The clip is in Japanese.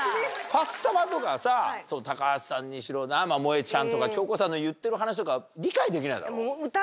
ファッサマとかさ高橋さんにしろもえちゃんとか京子さんの言ってる話とか理解できないだろ？